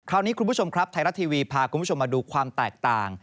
คุณผู้ชมครับไทยรัฐทีวีพาคุณผู้ชมมาดูความแตกต่าง